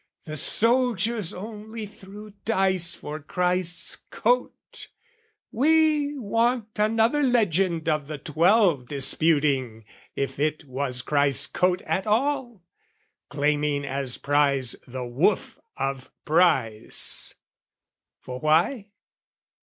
The soldiers only threw dice for Christ's coat; We want another legend of the Twelve Disputing if it was Christ's coat at all, Claiming as prize the woof of price for why?